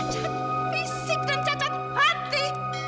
cacat fisik dan cacat hati